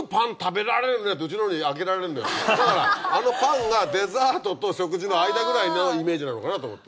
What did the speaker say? うちのにあきれられるのよだからあのパンがデザートと食事の間ぐらいのイメージなのかなと思って。